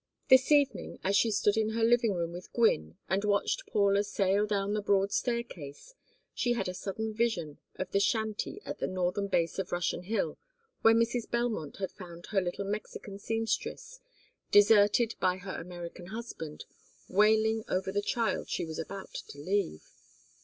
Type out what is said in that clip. This evening, as she stood in her living room with Gwynne and watched Paula sail down the broad staircase, she had a sudden vision of the shanty at the northern base of Russian Hill where Mrs. Belmont had found her little Mexican seamstress, deserted by her American husband, wailing over the child she was about to leave.